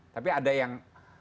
tapi ada yang